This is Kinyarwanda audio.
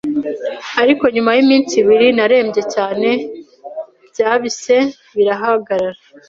ariko nyuma y’iminsi ibiri narembye cyane bya bise birahagarara